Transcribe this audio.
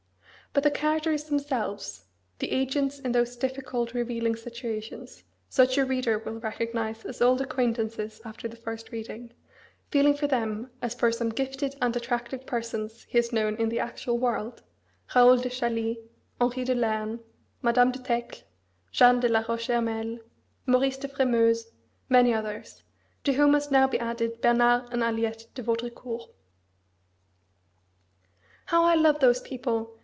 But the characters themselves, the agents in those difficult, revealing situations, such a reader will recognise as old acquaintances after the first reading, feeling for them as for some gifted and attractive persons he has known in the actual world Raoul de Chalys, Henri de Lerne, Madame de Técle, Jeanne de la Roche Ermel, Maurice de Frémeuse, many others; to whom must now be added Bernard and Aliette de Vaudricourt. "How I love those people!"